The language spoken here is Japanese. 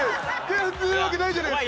やってるわけないじゃないですか。